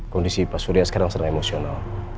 kondisi pak surya sekarang sedang emosional